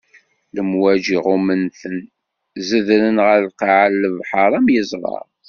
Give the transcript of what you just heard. Lemwaǧi ɣumment-ten, zedren ɣer lqaɛa n lebḥeṛ, am yeẓra.